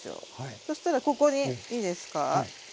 そしたらここにいいですか？